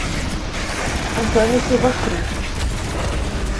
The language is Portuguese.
Antônio Silva Cruz